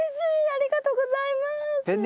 ありがとうございます。